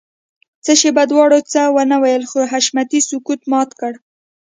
څه شېبه دواړو څه ونه ويل خو حشمتي سکوت مات کړ.